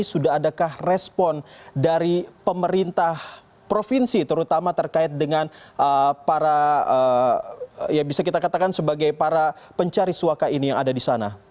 sudah adakah respon dari pemerintah provinsi terutama terkait dengan para ya bisa kita katakan sebagai para pencari suaka ini yang ada di sana